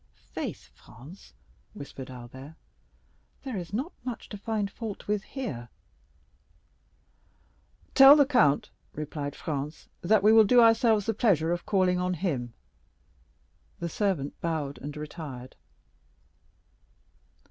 "Faith, Franz," whispered Albert, "there is not much to find fault with here." "Tell the count," replied Franz, "that we will do ourselves the pleasure of calling on him." The servant bowed and retired.